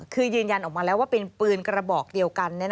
คือยืนยันออกมาแล้วว่าเป็นปืนกระบอกเดียวกัน